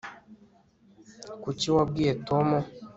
kuki wabwiye tom